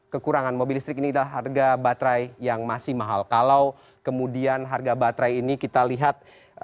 kekurangan mobil listrik ini adalah harga baterai yang masih mahal kalau kemudian harga baterai ini kita lihat